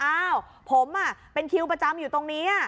อ้าวผมเป็นคิวประจำอยู่ตรงนี้